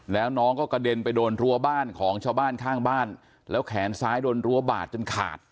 แล้วน้องก็กระเด็นไปโดนรั้วบ้านของชาวบ้านข้างบ้านแล้วแขนซ้ายโดนรั้วบาดจนขาด